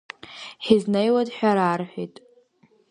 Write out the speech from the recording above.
Ҳизнеиуеит, ҳәа рарҳәеит.